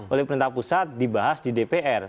oleh pemerintah pusat dibahas di dpr